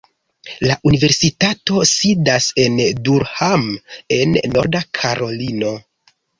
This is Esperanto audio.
La universitato sidas en Durham en Norda Karolino.